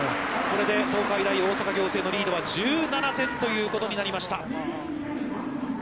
これで東海大大阪仰星のリードは１７点ということになりました。